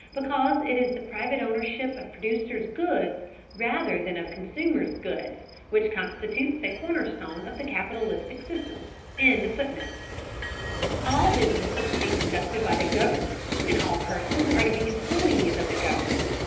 because it is the private ownership of producers' goods rather than of consumers' goods, which constitutes a cornerstone of the capitalistic system.] All business is to be conducted by the government, and all persons are to be employees of the government.